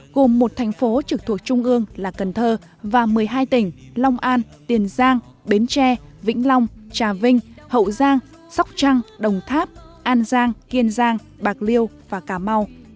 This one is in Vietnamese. gồm một thành phố trực thuộc trung ương là cần thơ và một mươi hai tỉnh long an tiền giang bến tre vĩnh long trà vinh hậu giang sóc trăng đồng tháp an giang kiên giang bạc liêu và cà mau